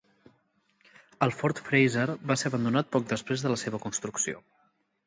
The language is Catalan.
El Fort Fraser va ser abandonat poc després de la seva construcció.